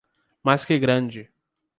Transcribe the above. Mas que grande!